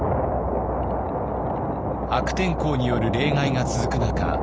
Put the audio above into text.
悪天候による冷害が続く中